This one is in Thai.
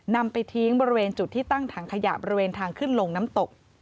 นำไปทิ้งบริเวณจุดที่ตั้งถังขยะบริเวณทางขึ้นลงน้ำตก